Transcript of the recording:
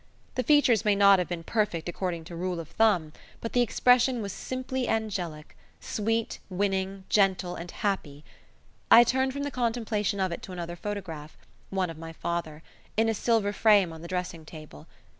The features may not have been perfect according to rule of thumb, but the expression was simply angelic sweet, winning, gentle, and happy. I turned from the contemplation of it to another photograph one of my father in a silver frame on the dressing table.